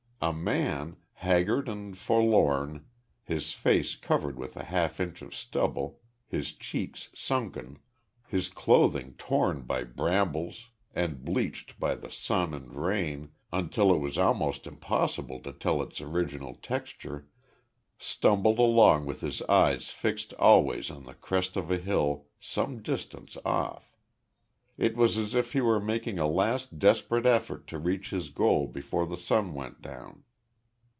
A man, haggard and forlorn, his face covered with a half inch of stubble, his cheeks sunken, his clothing torn by brambles and bleached by the sun and rain until it was almost impossible to tell its original texture, stumbled along with his eyes fixed always on the crest of a hill some distance off. It was as if he were making a last desperate effort to reach his goal before the sun went down.